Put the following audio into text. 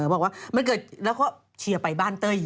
บอกว่าพ่อนี้เนี๊ยนเขาก็ว่าเจอจะไปบ้านเต้ยแหย่